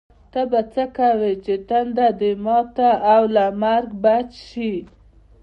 ته به څه کوې چې تنده دې ماته او له مرګه بچ شې.